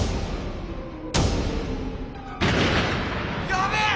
やべえ！